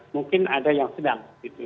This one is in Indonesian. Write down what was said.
mungkin ada yang sedang